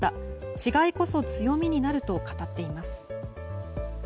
違いこそ強みになると語っています。